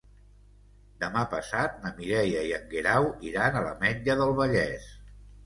Demà passat na Mireia i en Guerau iran a l'Ametlla del Vallès.